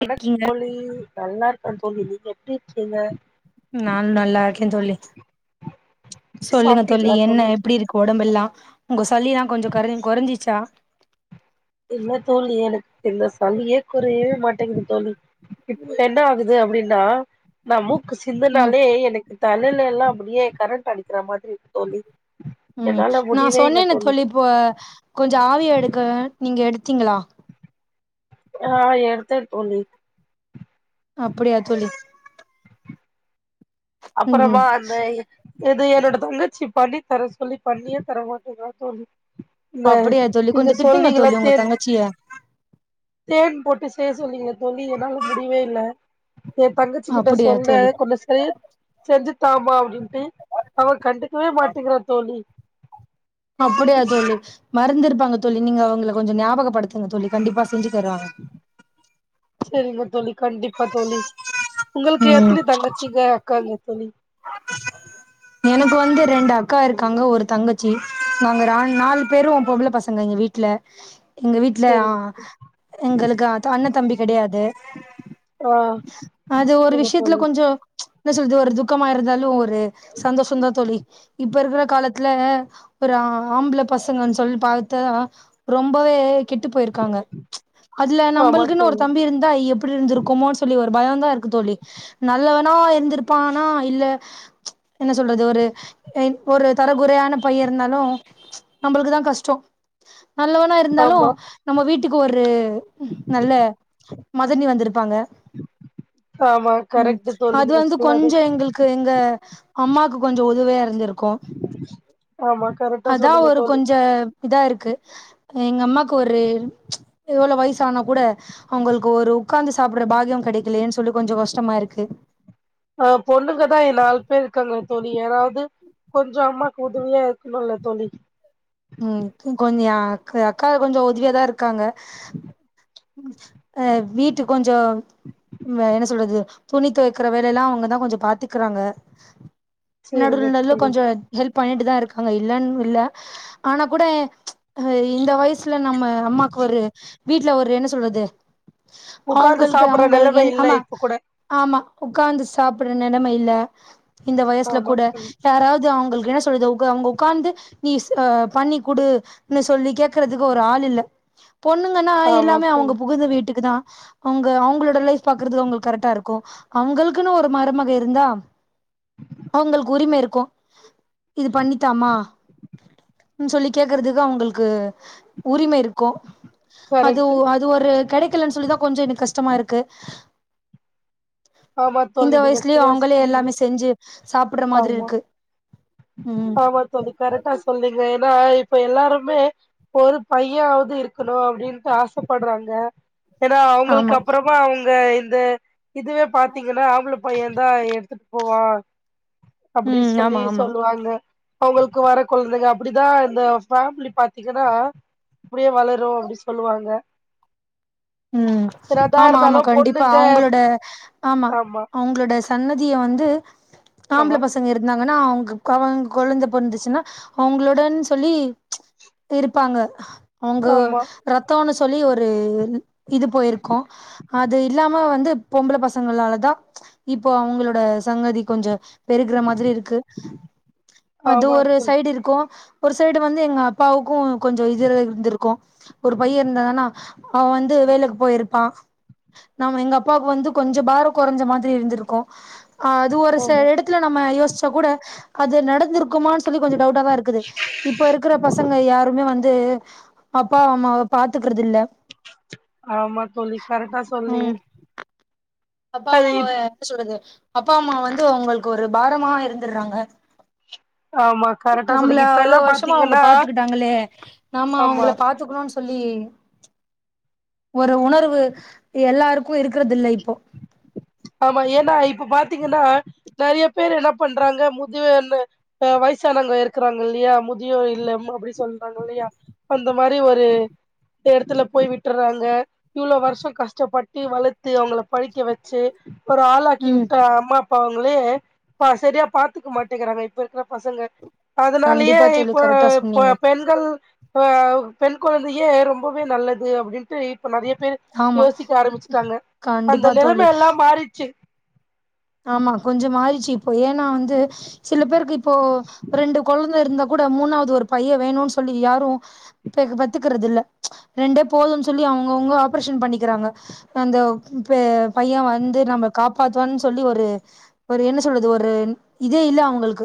வனக் இருக்கீங்க தோழி நல்லா இருக்க தோழி நீங்க எப்டி இருக்கீங்க நானு நல்லா இருக்கே தோழி சொல்லுங்க தோழி என்ன எப்டி இருக் கொடம்பெல்லா உங்க சளில்லா கொஞ்சோ கர கொறஞ்சிச்சா இல்ல தோழி எனக்கு இந்த சளியே கொறையவே மாட்டேங்குது தோழி இப்ப என்ன ஆகுது அப்டின்னா நம்முக் ம் சிந்தனாலே எனக்கு தலைல எல்லா அப்படியே கரண்ட் அடிக்கிற மாதிரி இருக்கு தோழி என்னால முடியவே இல்ல தோழி இப்ப கொஞ்சோ ஆவிய எடுக்க நீங்க எடுத்தீங்களா ஆ எடுத்த தோழி அப்படியா தோழி ம் அப்புறமா ம் அந்த எது என்னோட தங்கச்சி பண்ணி தர சொல்லி பண்ணியே தர மாட்டேங்றா தோழி இந்த அப்டியா தோழி நீங்க கொஞ்சோ திட்டுங்க சொல்லீங்கல்ல தோழி உங்க தேன் தங்கச்சிய தேன் போட்டு செய்ய சொன்னீங்க தோழி என்னால முடிவே இல்ல எ தங்கச்சிக்கிட்ட அப்டியா சொன்ன தோழி கொஞ்சோ செ செஞ்சுதாமா அப்டின் டு அவ கண்டுக்கவே மாட்டங்கிறா தோழி அப்படியா தோழி மறந்துருப்பாங்க தோழி நீங்க அவங்கள கொஞ்சோ ஞாபகப்படுத்துங்க தோழி கண்டிப்பா செஞ்சு தருவாங்க செரிங்க தோழி கண்டிப் ப்பா தோழி உங்களுக்கு ம் எத்தன தங்கச்சிங்க அக்காங்க தோழி எனக்கு வந்து ரெண்டு அக்கா இருக்காங்க ஒரு தங்கச்சி நாங்க நா நாலு பேரு பொம்பள பசங்க அங்க எங்க வீட்ல எங்க வீட்ல ஆ செரிங்க ஆ எங்களுக்கு அண்ண தம்பி கெடையாது ஆ அது ஒரு செரிங்க விஷயத்துல தோழி கொஞ்சோ என்ன சொல்து ஒரு துக்கமா இருந்தாலு ஒரு சந்தோஷந்தா தோழி இப்ப இருக்கிற கால த்ல ஒரு ஆம்பள பசங்கன் சொல்லி பாத்தா ரொம்பவே கெட்டு போய்ருக்காங்க அதுல ஆமா நம்பளுக்குன் ஒரு தோழி தம்பி இருந்தா எப்டி இருந்திருக் குமோன்னு சொல்லி ஒரு பயந்தா இருக்கு தோழி நல்லவனா இருந்திருப்பானா இல்ல என்ன சொல்றது ஒரு என் ஒரு தரகுறையான பயே இருந்தாலு நம்மளுக்குதா கஷ்டோ நல்லவனா இருந்தாலு ஆமா நம்ம வீட்டுக்கு ஒரு நல்ல மதனி வந்துரு ப்பாங்க ஆமா ம் கரெக்ட் தோழி அது நீங்க வந்து சொன்னது கொஞ்சோ எங்களுக் கு எங்க அம்மாக்கு கொஞ்சோ உதவியா இருந்திரு க்கு ஆமா கரெக்டா அதா சொன்னீங்க ஒரு தோழி கொஞ்ச இதா இருக்கு எங்க அம்மாக்கு ஒரு எவ்வளோ வயசானா கூட அவுங்களுக்கு ஒரு உக்காந்து சாப்புற்ற பாக்கியோ கெடைக்கலயேன் சொல்லி கொஞ்சோ கஷ்டமா இருக்கு அ பொண்ணுங்க தா எ நாலு பேர் இருக்காங்க தோழி யாராவது கொஞ்சோ அம்மாக்கு உதவியா இருக்கணுல தோழி ம் கொஞ்சோ எ அக் அக்கா கொஞ்சோ உதவியாதா இருக்காங்க ம் அ வீட்டுக் கொஞ்சோ வே என்ன சொல்றது துணி தொவைக்கற வேலேலா அவுங்க தா கொஞ்சோ பாத்துக்குறாங்க நடுல செரிங்க நடுல தோழி கொஞ்ச ஹெல்ப் பண்ணிட்டு தா இருக்காங்க இல்லன்னு இல்ல ஆனா கூட ஹ இந்த வயசுல நம்ம அம்மாக்கு ஒரு வீட்ல ஒரு என்ன சொல்றது உக்காந்து அவுங்களுக்கு சாப்புட்ற அவுங்க நெலம என் இல்ல ஆமா இப்ப கூட ஆமா உக்காந்து சாப்புற்ற நெலம இல்ல இந்த வயசுல ஆமா கூட தோழி யாராவது அவுங்களுக்கு என்ன சொல்றது உக்கா அவுங்க உக்காந்து நீ சா பண்ணி குடுன்னு சொல்லி கேக்குறதுக்கு ஒரு ஆள் இல்ல பொண்ணுங்கனா ஆமா எல்லாமே அவுங்க தோழி புகுந்த வீட்டுக்கு தா அவுங்க அவுங்களோட லைஃப் பாக்குறது அவுங்களுக் கரெக்டா இருக்கு அவுங்களுக்குன்னு ஒரு மருமக இருந்தா அவுங்களுக்கு உரிம இருக்கு இது பண்ணித்தாமா னு சொல்லி கேக்குறதுக்கு அவுங்களுக்கு உரிம இருக்கு அது உ கரெக்ட்டு அது அது ஒரு கெடைக்கலன் சொல்லிதா கொஞ்சோ எனக் கஷ்டமா இருக்கு ஆமா இந்த தோழி நீங்க வயசுலயு சரியா அவுங்களே சொன்னீங்க எல்லாமே செஞ்சு சாப்புட்ற மாதிரி ஆமா இருக்கு ம் ஆமா தோழி கரெக்டா சொன்னீங்க ஏனா இப்ப எல்லாருமே ஒரு பையனாவது இருக்கணு அப்டின்ட்டு ஆசப்பட்றாங்க ஏனா ஆமா அவுங்களுக்கப்பறமா அவுங்க இந்த இதுவே பாத்தீங்கன்னா ஆம்பள பையேந் தா எடுத்துட்டு போவா அப்புடி ம் ஆமா சொல்லி ஆமா சொல்லுவாங்க அவுங்களுக்கு வர கொழந்தைங்க அப்டிதா இந்த ஃபேமிலி பாத்தீங்கன்னா அப்டியே வளரு அப்டி சொல்லுவாங்க ம் என்னதா ஆமா ஆமா இருந்தாலு கண்டிப்பா பொண்ணுங்க அவுங்களோட ஆமா அவுங்களோட சன்னதிய வந்து ஆம்பள ஆமா பசங்க இருந்தாங்கன்னா அவுங்க அவங்க கொழந்த பொறந்துச்சுன்னா அவுங்களுடன் சொல்லி இருப்பாங்க அவுங்க ஆமா ரத்தோனு சொல்லி ஒரு இது போயிருக்கு அது இல்லாம வந்து பொம்பள பசங்களாலதா இப்ப அவுங்களோட சங்கதி கொஞ்ச பெருகுற மாதிரி இருக்கு அது ஆமா ஒரு தோழி சைடு இருக்கு ஒரு சைடு வந்து எங்க அப்பாவுக்கு கொஞ்சோ இதுல இருந்துருக்கு ஒரு பையே இருந்தானானா அவெ வந்து வேலக்கு போயிருப்பா நாம எங்க அப்பாவுக்கு வந்து கொஞ்சொ பாரொ கொறஞ்ச மாரி இருந்துருக்கு அ அது ஒரு ஆமா செல எடத்துல நம்ம யோசிச்சா கூட அது நடந்திருக் க்மானு சொல்லி கொஞ்சோ டவுட்டா தா இருக்குது இப்ப இருக்கிற பசங்க யாருமே வந் து அப்பா அம்மாவ பாத்துக்கிறதுல்ல ஆமா தோழி கரெக்டா சொல்றீங்க ம் அப்பா அம்மாவ என்ன சொல்றது அப்பா அம்மா வந்து ஒங்களுக்கு ஒரு பாரமா இருந்துர்றாங்க ஆமா கரெக்டா நம்மள சொன்னீங்க இப்ப அவ்வளோ எல்லா வருஷமா அவுங்க பாத்தீங்கன்னா பாத்துக்கிட்டாங்களே நாம ஆமா அவுங்கள பாத் த்துக்கனுன் சொல்லி ஒரு உணர்வு எல்லாருக் க்கு இருக்கறதில்ல இப்போ ஆமா ஏன்னா இப்ப பாத்தீங்கனா நெறைய பேரு என்ன பண்றாங்க முதியோர் இல்ல அ வயசானங்க இருக்குறாங்க இல்லயா முதியோ இல்லம் அப்டி சொல்றாங்க இல்லயா அந்த மாரி ஒரு இந்த எடத்துல போயி விட்றாங்க இவ்ளோ வருஷோ கஷ்டப்பட்டு வளத்து அவுங்கள படிக்க வச்சு ஒரு ஆளாக்கி ம் விட்ட அம்மா அப்ப அவுங்களே சரியா பாத்துக்க மாட்டங்றாங்க இப்ப இருக்கிற பசங்க அதனாலயே கண்டிப்பா தோழி இப்போ கரெக்டா இப்போ சொன்னீங்க பெண் கள் அ பெண் கொழந்தயே ரொம்பவே நல்லது அப்டின்ட்டு இப்ப நெறைய பேரு ஆமா யோசிக்க ஆரம்பிச்சுட்டாங்க அந்த கண்டிப்பா தோழி நிலைமையெல்லா மாறிச்சு ஆமா கொஞ்ச மாறிச்சு இப்போ ஏன்னா வந்து சில பேருக்கு இப்போ ரெண்டு கொழந்த இருந்தா கூட மூணாவது ஒரு பைய வேணுன்னு சொல்லி யாரும் பேக் பெத்துக்கறது இல்ல ரெண்டே போதுன்னு சொல்லி அவுங்கவுங்க ஆப்ரேஷன் பண்ணிக்கிறாங்க அந்த பே பைய வந்து நம்ம காப்பாத்துவான் சொ சொல்லி ஒரு ஒரு என்ன சொல்றது ஒரு இதே இல்ல அவுங்களுக்கு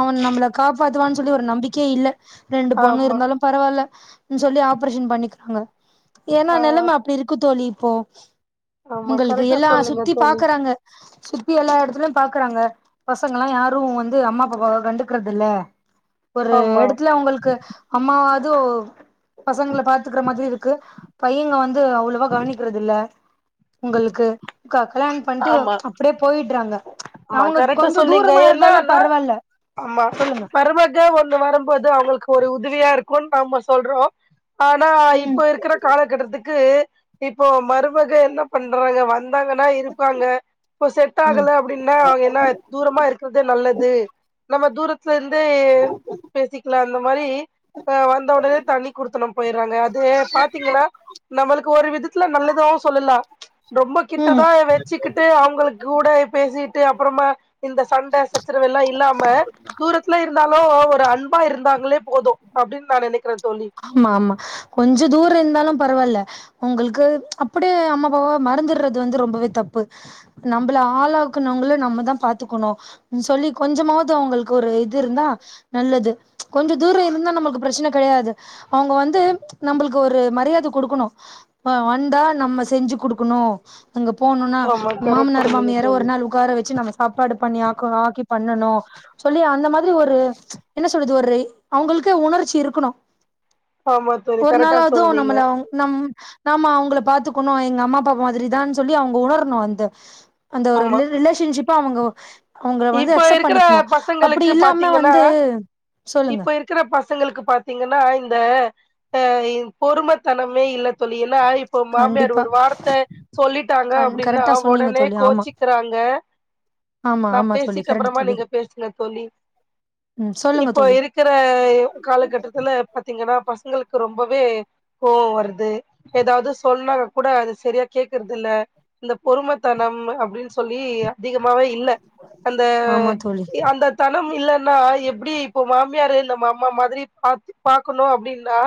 அவன் நம்மள காப்பாத்துவான் சொல்லி ஒரு நம்பிக்கையே இல்ல ரெண்டு பொண்ணு ஆமா இருந்தாலும் பரவால்ல சொல்லி ஆப்ரேஷன் பண்ணிக்கிறாங்க ஏன்னா ஆ நெலம அப்டி இருக்கு தோழி இப்போ ஆமா ஒங்களுக்கு கரெக்டா எல்லா சொன்னீங்க சுத்தி தோழி பாக்குறாங்க சுத்தி எல்லா எடத்துலயு பாக்குறாங்க பசங்கல்லா யாரும் வந்து அம்மா அப்பாவ கண்டுக்கிறதுல்ல ஒரு ஆமா எடத்துல ஒங்களுக்கு அம்மாவாது ஒ பசங்கள பாத்துக்கற மாதிரி இருக்கு பையங்க வந்து அவ்ளவா கவனிக்கிறதுல்ல உங்களுக்கு க கல்யாணம் பண்ட்டு ஆமா அப்டியே போயிட்றாங்க ஆமா அவுங்க கரெக்டா கொஞ்சோ சொன்னீங்க தூரமா இருந்தாலும் என்னன்னா பரவாயில்ல ஆமா மருமக ஒண்ணு வரும்போது அவுங்களுக்கு ஒரு உதவியா இருக்கும் நாம சொல்றோ ஆனா ம் இப்போ இருக்கிற காலகட்டத்துக்கு இப்போ மருமக என்ன பண்றாங்க வந் வந்தாங்கனா இருப்பாங்க இப்ப செட் ம் ஆகல அப் அப்டினா அவுங்க என்ன தூரமா இருக்கறதே நல்லது நம்ம தூரத் லருந்தே பேசிக்லா அந்த மாரி அ வந்த உடனே தனி குடுத்தனம் போயிர்றாங்க அது பாத்தீங்கனா நம்மளுக்கு ஒரு விதத்துல நல்லதாவு சொல்லலா ரொம்ப ம் கிட்டதா வச்சுக்கிட்டு அவுங்களுக் கூட பேசிட்டு அப்புறமா இந்த சண்ட சச்சரவெல்லா இல்லாம தூரத்துல இருந்தாலும் ஒரு அன்பா இருந்தாங்களே போதும் அப்டின் நா நெனைக்கிற தோழி ஆமா ஆமா கொஞ்ச தூர இருந்தாலும் பரவாயில்ல உங்களுக்கு அப்டியே அம்மா அப்பாவ மறந்துர்றது வந்து ரொம்பவே தப்பு நம்மள ஆளாக்கனவுங்கள நம்ம தா பாத்துக்கணு சொல்லி கொஞ்சமாவது அவுங்களுக்கு ஒரு இது இருந்தா நல்லது கொஞ்ச தூர இருந்தா நம்மளுக்கு பிரச்சன கெடையாது அவங்க வந்து நம்மளுக்கு ஒரு மரியாத குடுக்கணும் வந்தா நம்ம செஞ்சு குடுக்கணும் அங்க போனும்னா ஆமா கரெக்டா மாமனார் சொன்னீங்க மாமியார் ஒரு தோழி நாள் உகார வச்சு நம்ம சாப்பாடு பண்ணி ஆக்கனும் ஆக்கி பண்ணணும் சொல்லி அந்த மாதிரி ஒரு என்ன சொல்றது ஒரு அவங்களுக்கே உணர்ச்சி இருக்கணும் ஆமா தோழி ஒரு கரெக்டா நாளாவது சொன்னீங்க நம்மள நம் நாம அவங்கள பாத்துக்கணும் எங்க அம்மா அப்பா மாதிரி தான்னு சொல்லி அவங்க உணரணும் அந்த அந்த ஒரு ஆமா ரி ரிலேஷன்ஷிப் அவங்க அவங்க வந்து இப்ப அக்சப்ட் இருக்கிற பண்ணிக்கணும் அப்டி பசங்களுக்கு இல்லாம பாத்தீங்கன்னா வந்து சொல்லுங்க இப்ப இருக்கிற பசங்களுக்கு பாத்தீங்கன்னா இந்த அ பொறுமத்தனமே இல்ல தோழி என்னா ஆய் இப்ப மாமியார் கண்டிப்பா ஒரு வார்த்த சொல்லிட்டாங்க கண் அப்டின்னா கரெக்டா சொன்னீங்க உடனே தோழி ஆமா கோச்சிக்கிறாங்க ஆமா நான் ஆமா தோழி பேசிட்ட கரெக்ட் அப்பறமா தோழி நீங்க பேசுங்க தோழி ம் சொல்லுங்க இப்போ தோழி இருக் இருக்கிற காலகட்டத்துல பாத்தீங்கன்னா பசங்களுக்கு ரொம்பவே கோபம் வரது ஏதாவது சொல்லன்னாங்க கூட அது சரியா கேக்குறது இல்ல இந்த பொறுமத்தனம் அப்டின்னு சொல்லி அதிகமாவே இல்ல அந்த ஆமா தோழி எ அந்த தனம் இல்லைன்னா எப்டி இப்போ மாமியாரு நம்ம அம்மா மாதிரி பாத்து பாக்கணும் அப்டின்னா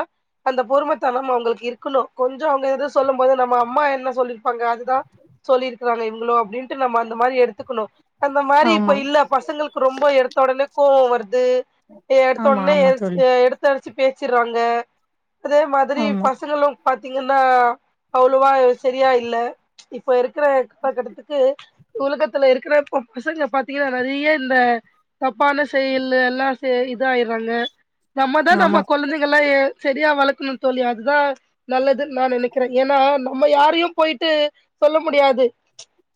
அந்த பொறுமத்தனம் அவங்களுக்கு இருக்கணும் கொஞ்சோ அவங்க எதோ சொல்லும் போது நம்ம அம்மா என்ன சொல்லியிருப்பாங்க அதுதான் சொல்லியிருக்காங்க இவங்களு அப்டின்ட்டு நம்ம அந்த மாரி எடுத்துக்கணும் அந்த மாரி இப்ப ஆமா இல்ல பசங்களுக்கு ரொம்ப எடுத்த உடனே கோவம் வருது எடுத்த ஆமா உடனே ஆமா எ தோழி எடுத்தடிச்சு பேசிடுறாங்க அதே மாதிரி ஆமா பசங்களும் பாத்தீங்கன்னா அவ்ளோவா செரியா இல்ல இப்ப இருக்கிற காலகட்டத்துக்கு உலகத்துல இருக்கிற இப்ப பசங்க பாத்தீங்கன்னா நறைய இந்த தப்பான செயல் எல்லாம் இதா ஆய்றாங்க நம்மதான் நம்ம ஆமா குழந்தைகள்லா செரியா வளர்க்கணும்னு தோழி அதுதான் நல்லதுன்னு நான் நினைக்கிறேன் ஏன்னா நம்ம யாரையும் போயிட்டு சொல்ல முடியாது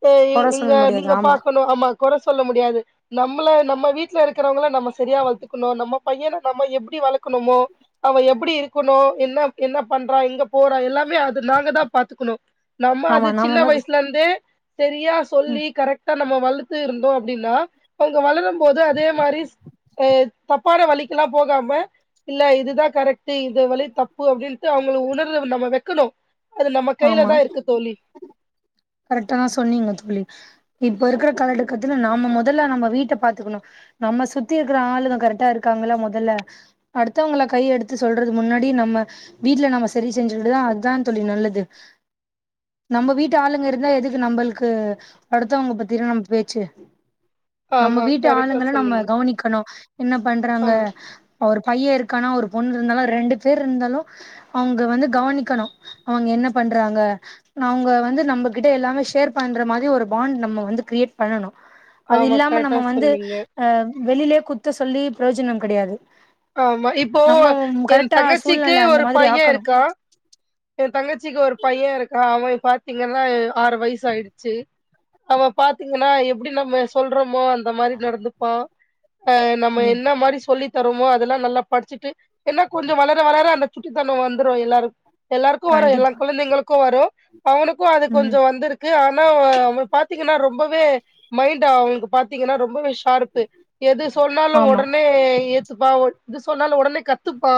எ கொற சொல்ல இங்க முடியாது நீங்க ஆமா பாக்கணும் ஆமா குற சொல்ல முடியாது நம்மள நம்ம வீட்ல இருக்கிறவங்கள நம்ம சரியா வளர்த்துக்கணும் நம்ம பையனை நம்ம எப்டி வளக்கணுமோ அவ எப்டி இருக்கணும் என்ன என்ன பண்றா இங்க போறா எல்லாமே அது நாங்கதான் பாத்துக்கணும் நம்ம ஆமா அது சின்ன நாம தா வயசுல இருந்தே செரியா ம் சொல்லி கரெக்ட் நம்ம வளர்த்து இருந்தோம் அப்டின்னா அவங்க வளரும் போது அதே மாரி ஆ தப்பான வலிக்கலாம் போகாம இல்ல இதுதான் கரெக்ட் இது வழி தப்பு அப்டின்ட்டு அவங்கள உணர்ர நம்ம வைக்கணும் அது நம்ம கைய்ல ஆமா தான் இருக்கு தோழி கரெக்டா தான் சொன்னீங்க தோழி இப்ப இருக்கிற கால கட்டத்துல நாம முதல்ல நம்ம வீட்ட பாத்துக்கணும் நம்ம சுத்தி இருக்கிற ஆளுங்க கரெக்டா இருக்காங்களா முதல்ல அடுத்தவங்கள கை எடுத்து சொல்றது முன்னாடி நம்ம வீட்ல நம்ம செரி செஞ்சிட்டுதான் அதுதான் தோழி நல்லது நம்ம வீட்டு ஆளுங்க இருந்தா எதுக்கு நம்மளுக்கு அடுத்தவங்க பத்தின நம்ம பேச்சு நம்ம ஆமா வீட்டு கரெக்டா ஆளுங்கள நம்ம சொன்னீங்க கவனிக்கணும் என்ன பண்றாங்க ஆமா ஒரு பையன் இருக்கானா ஒரு பொண்ணு இருந்தாலும் ரெண்டு பேர் இருந்தாலும் அவுங்க வந்து கவனிக்கணும் அவுங்க என்ன பண்றாங்க அவ்ங்க வந்து நம்பகிட்ட எல்லாமே ஷேர் பண்ற மாரி ஒரு பாண்ட் நம்ம வந்து கிரியேட் பண்ணனு அது ஆமா இல்லாம கரெக்டா நம்ம வந்து சொன்னீங்க. அ வெளிலே குத்த சொல்லி ப்ரோஜனம் கடையாது ஆமா இப்போ ஏ தங்கச்சிக்கு சூழ்நிலை அந்த ஒரு மாதிரி பைய ஆக்கணும் இருக்கா ஏ தங்கச்சிக்கு ஒரு பைய இருக்க அவ பாத்தீங்கன்னா ஆறு வய்சு ஆயிட்ச்சு அவ பாத்தீங்கன்னா எப்டி நம்ம சொல்றோமோ அந் அந்த மாரி நடந்துப்பா அ நம்ம ம் என்ன மாரி சொல்லி தரோமோ துல்லா நல்லா பட்ச்சிட்டு ஏன்னா கொஞ்ச வளர வளர அந்த சுட்டித்தண வந்துரு எல்லாருக் எல்லாருக்கு வரு எல்லா கண்டிப்பா குழந்தைங்களுக்கு வரு அவுனுக்கு அது கொஞ்ச ம் வந்துருக் கு ஆனா அவ அவ பாத்தீங்கன்னா ரொம்பவே மைண்ட்டு அவுங்ளுக்கு பாத்தீங்கனா ரொம்பவிஷ் பார்ப்பு எது சொன்னாலு ஆமா ஒடனே ஏத்துப்பா இது சொன்னாலு ஒடனே கத்துப்பா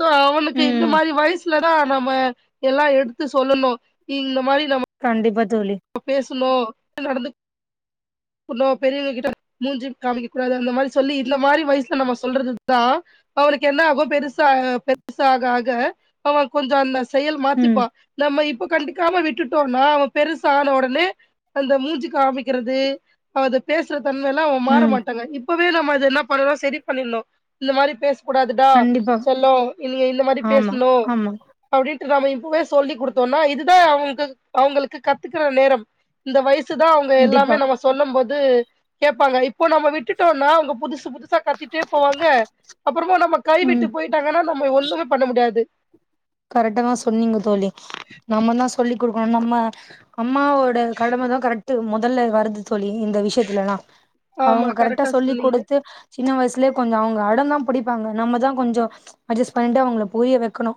சோ அவனுக்கு இந்த ம் மாரி வய்ஸ் இல்லனா நம்ம எல்லா எடுத்து சொல்லணு இ இந்த மாரி நம்ம கண்டிப்பா தோழி பேசும்போ நடந்து குனு பெரியவுங்க கிட்ட மூஞ்சி காமிக்க கூடாது அந்த மாரி சொல்லி இந்த மாரி வய்ல நம்ம சொல்றதுதா அவுனுக் என்ன ஆகு பெருசா பெருசா ஆக ஆக அவ கொஞ்சோ அந்த செயல் ம் மாத்திப்பா நம்ம இப்ப கண்டிக்காம விட்டுட்டோன்னா அவ பெருச ஆண ஒடனே அந்த மூஞ்சு காமிக்கிறது அத பேசுற தன்மைல்ல அவ மாற ம் மாட்டாங்க இப்பவே நம்ம அத என்ன பண்ணுனா செரி பண்ணிட்னு இந்த மாரி பேஸ் கூடாதுடா கண்டிப்பா செல்லோ இங்க இந்த மாரி ஆமா பேஸ்ணு ஆமா அப்டின்ட்டு நாம இப்பவே சொல்லி்டுத்தோன்னா இதுதா அவுங்குள்க்கு அவுங்களுக்கு கத்துக்கற நேரம் இந்த வய்சு தா அவுங்க எல்லாமே கண்டிப்பா நம்ம சொல்லம்போது கேப்பாங்க இப்போ நம்ம விட் ட்டுட்டோனா அவ்ங்க புதுசு புதுசா கத்திட்டே போவாங்க அப்புறமோ நம்ம ம் கைவிட்டு போயிட் ட்டாங்கனா நம்ம ஒன்னுமே பண்ண முட்யாது கரெட்டாதா சொன்னீங்க தோழி நாம்மதா சொல்லி் குடுக்குணு நம்ம அம்மாவோட கடமைதா கரெக்ட் மொதல்ல வரது தோழி இந்த விஷ்யத்துலல்லா ஆமா கவுங்கு கரெக்டா சொல்லி் சொன்னீங்க குடுத்து சின்ன வய்சுலே கொஞ்ச அவுங்க அடந்தா புடிப்பாங்க நம்ம தா கொஞ்சோ அஜஸ்ட் பண்ணிட்டு அவுங்ள புரிய வக்கணு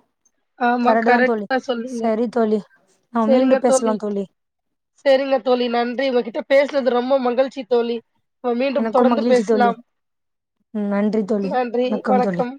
ஆமா கரெக்டடா சொல்றிங்க சரி தோழி நாம் செரிங்க மீண்டும் தோல்வி பேசலாம் தோழி செரிங்க தோழி நன்றி உங்ககிட்ட பேஸ்னது ரொம்ப மகழ்ச்சி தோழி இப்ப மீண்டும் எனக்கும் தொடர்ந்து மகிழ்ச்சி தோழி பேஸ்லாம் ம் நன்றி தோழி நன்றி தோழி வணக்கம்